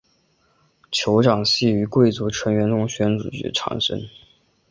酋长系由贵族成员中选举产生。